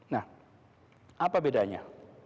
nah apa bedanya